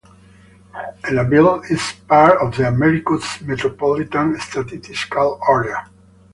Ellaville is part of the Americus Micropolitan Statistical Area.